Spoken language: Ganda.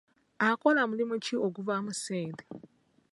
Akola mulimu ki oguvaamu ssente?